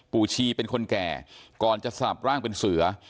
ชีเป็นคนแก่ก่อนจะสลับร่างเป็นเสือ